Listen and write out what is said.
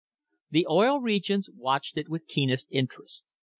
The Oil Regions watched it with keenest interest.